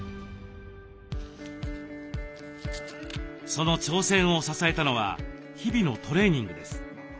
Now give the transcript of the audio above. その挑戦を支えたのは日々のトレーニングです。